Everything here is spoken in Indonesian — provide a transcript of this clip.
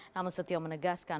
namun setio menegaskan